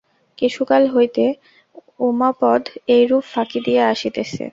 কিছুকাল হইতে উমাপদ এইরূপ ফাঁকি দিয়া আসিতেছে।